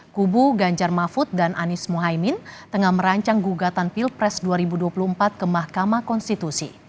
kubu ganjar mahfud dan anies mohaimin tengah merancang gugatan pilpres dua ribu dua puluh empat ke mahkamah konstitusi